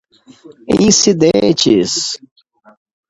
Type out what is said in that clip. incidentes